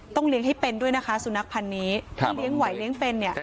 เลี้ยงให้เป็นด้วยนะคะสุนัขพันธ์นี้ที่เลี้ยงไหวเลี้ยงเป็นเนี่ย